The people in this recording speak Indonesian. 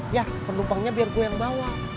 ya penumpangnya biar gue yang bawa